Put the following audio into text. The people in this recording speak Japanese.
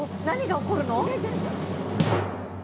何が起こるの？